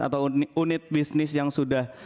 atau unit bisnis yang sudah